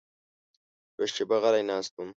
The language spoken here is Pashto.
یوه شېبه غلی ناست وم.